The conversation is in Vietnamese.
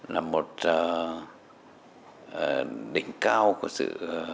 là một đỉnh cao của sự